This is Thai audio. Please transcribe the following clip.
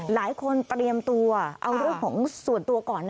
หลายคนเตรียมตัวเอาเรื่องส่วนตัวก่อน